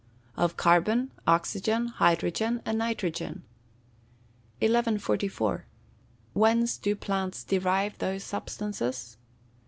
_ Of carbon, oxygen, hydrogen, and nitrogen. 1144. _Whence do plants derive those substances?